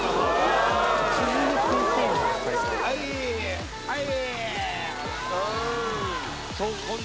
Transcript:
はい、はい。